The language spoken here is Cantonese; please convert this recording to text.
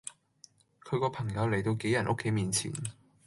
佢個朋友嚟到杞人屋企前面